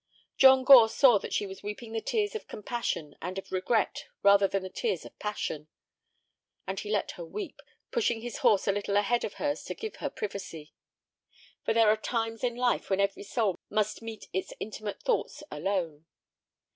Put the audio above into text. John Gore saw that she was weeping the tears of compassion and of regret rather than the tears of passion. And he let her weep, pushing his horse a little ahead of hers to give her privacy, for there are times in life when every soul must meet its intimate thoughts alone.